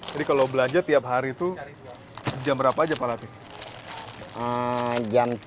jadi kalau belanja tiap hari itu jam berapa saja pak hatip